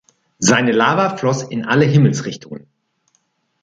Seine Lava floss in alle Himmelsrichtungen.